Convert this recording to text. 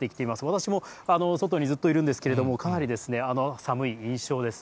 私も外にずっといるんですけれども、かなり寒い印象です。